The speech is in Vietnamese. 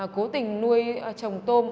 cố tình nuôi chồng tôm